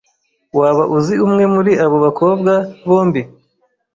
Waba uzi umwe muri abo bakobwa bombi?